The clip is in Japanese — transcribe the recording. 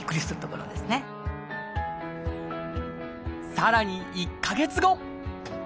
さらに１か月後。